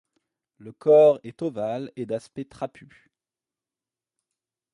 Le corps est ovale et d'aspect trapu.